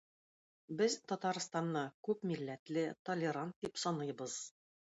Без Татарстанны күпмилләтле, толерант дип саныйбыз.